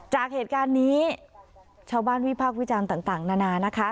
จากเหตุการณ์นี้ชาวบ้านวิพากษ์วิจารณ์ต่างนานานะคะ